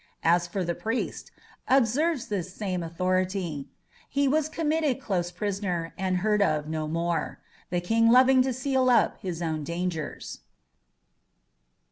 As for the priest, observes this same authority, "he was committed close prisoner, and heard of no more; the King loving to seal up his own dangers."